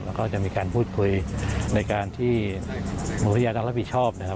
แล้วก็จะมีการพูดคุยในการที่วิทยาต้องรับผิดชอบนะครับ